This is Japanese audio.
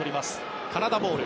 カナダボール。